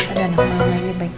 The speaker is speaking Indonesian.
ada nomal lagi baik banget sih